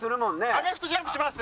アメフトジャンプします。